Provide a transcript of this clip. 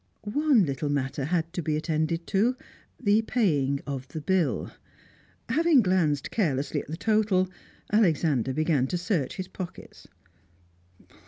One little matter had to be attended to, the paying of the bill. Having glanced carelessly at the total, Alexander began to search his pockets.